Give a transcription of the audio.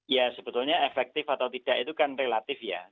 ya sebetulnya efektif atau tidak itu kan relatif ya